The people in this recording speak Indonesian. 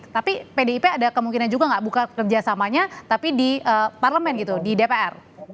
tapi pdip ada kemungkinan juga nggak buka kerjasamanya tapi di parlemen gitu di dpr